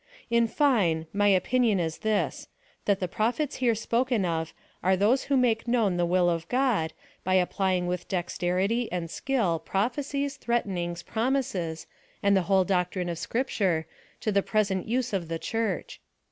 In fine, my opinion is this — that the Prophets here spoken of are those who make known the will of God, by applying with dexterity and skill prophecies, threat enings, promises, and the whole doctrine of Scripture, to the present use of the Church.